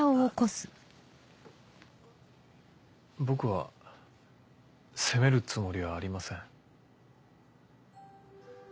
僕は責めるつもりはありません。